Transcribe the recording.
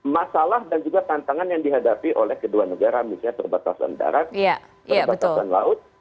masalah dan juga tantangan yang dihadapi oleh kedua negara misalnya perbatasan daratan laut